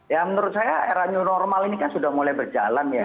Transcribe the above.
ya menurut saya era new normal ini kan sudah mulai berjalan ya